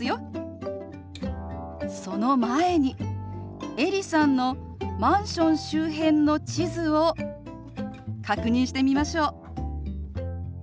その前にエリさんのマンション周辺の地図を確認してみましょう。